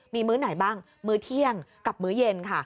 มีมื้อไหนบ้างมื้อเที่ยงกับมื้อเย็นค่ะ